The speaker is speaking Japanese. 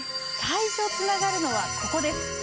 最初につながるのは、ここです。